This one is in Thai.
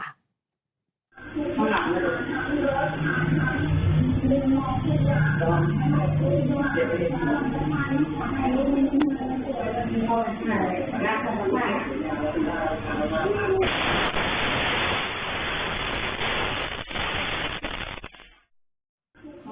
เห้ย